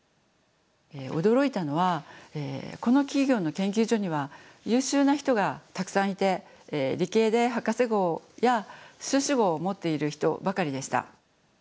驚いたのはこの企業の研究所には優秀な人がたくさんいて理系で博士号や修士号を持っている人ばかりでした。